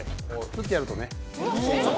ふってやるとね。